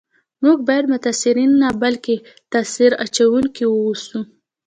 موږ باید متاثرین نه بلکي تاثیر اچونکي و اوسو